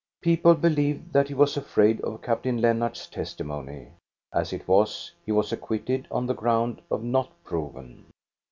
People believed that he was afraid of Captain Lennart's testimony. As it was, he was acquitted on the ground of not proven.